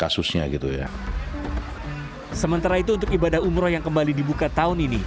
sementara itu untuk ibadah umroh yang kembali dibuka tahun ini